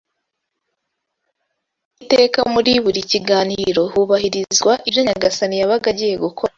iteka muri buri kiganiro hubahirizwa ibyo Nyagasani yabaga agiye gukora